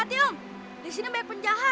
tunggu ke aku